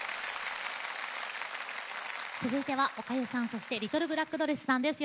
続いてはおかゆさんそしてリトルブラックドレスさんです。